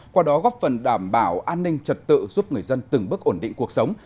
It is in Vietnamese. qua đó góp phần đảm bảo an ninh trật tự giúp người dân từng bước ổn định cuộc sống